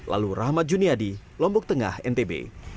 lalu rahmat juniadi lombok tengah ntb